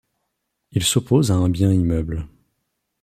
Il s'oppose à un bien immeuble.